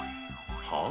はあ？